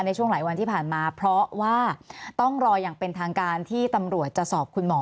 ในช่วงหลายวันที่ผ่านมาเพราะว่าต้องรออย่างเป็นทางการที่ตำรวจจะสอบคุณหมอ